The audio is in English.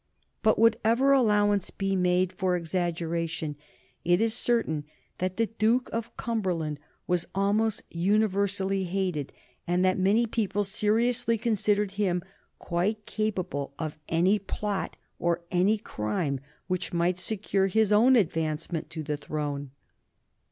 But, whatever allowance be made for exaggeration, it is certain that the Duke of Cumberland was almost universally hated, and that many people seriously considered him quite capable of any plot or any crime which might secure his own advancement to the throne.